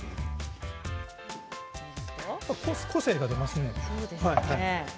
個性が出ますね。